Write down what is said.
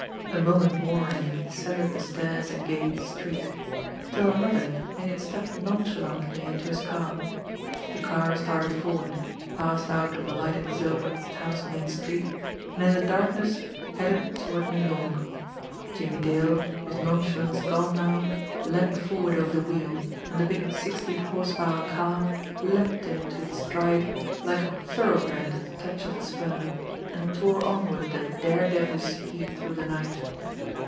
A moment more and he had descended the stairs and gained the street, still another and he had stepped nonchalantly into his car. The car started forward, passed out of the lighted zone of the town's main street and in the darkness, headed toward New York, Jimmie Dale, his nonchalance gone now, leaned forward over the wheel, and the big sixty horse power car leaped into its stride like a thoroughbred at the touch of the spur, and tore onward at dare devil speed through the night.